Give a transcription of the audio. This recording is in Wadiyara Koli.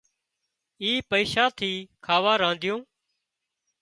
اِي پئيشا ٿي کاوا رنڌيون